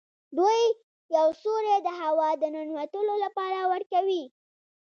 دوی یو سوری د هوا د ننوتلو لپاره ورکوي.